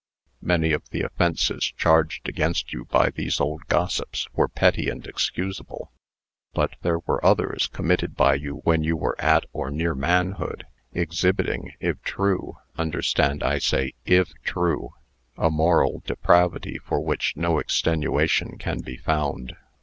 "Many of the offences charged against you by these old gossips, were petty and excusable. But there were others, committed by you when you were at or near manhood, exhibiting, if true understand, I say, if true a moral depravity for which no extenuation can be found.